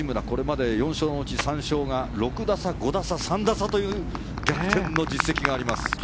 これまで６勝のうち３勝が６打差、５打差、３打差という逆転の実績があります。